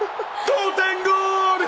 同点ゴール。